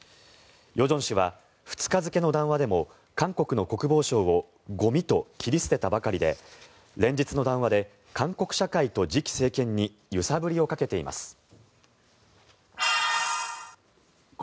与正氏は２日付の談話でも韓国の国防相をゴミと切り捨てたばかりで連日の談話で韓国社会と次期政権に揺さぶりをかけています。